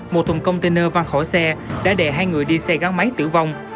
một thùng container văn khỏi xe đã đè hai người đi xe gắn máy tử vong